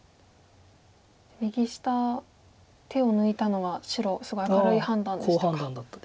右下手を抜いたのは白すごい明るい判断でしたか。